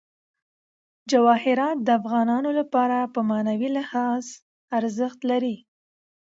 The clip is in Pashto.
جواهرات د افغانانو لپاره په معنوي لحاظ ارزښت لري.